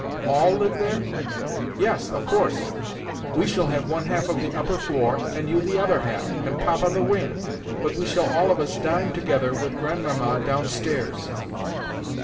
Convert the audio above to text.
"All live there?" "Yes, of course. We shall have one half of the upper floor, and you the other half, and Papa the wing; but we shall all of us dine together with Grandmamma downstairs."